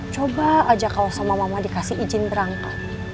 coba aja kalau sama mama dikasih izin berangkat